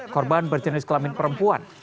korban berjenis kelamin perempuan